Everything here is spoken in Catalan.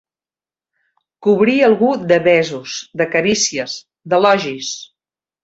Cobrir algú de besos, de carícies, d'elogis.